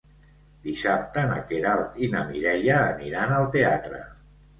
Dissabte na Queralt i na Mireia aniran al teatre.